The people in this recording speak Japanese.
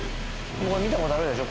見たことあるでしょ